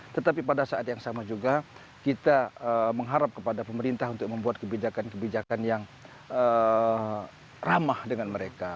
tetapi pada saat yang sama juga kita mengharap kepada pemerintah untuk membuat kebijakan kebijakan yang ramah dengan mereka